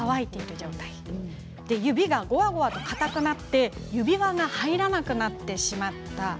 指がごわごわとかたくなり指輪が入らなくなってしまった。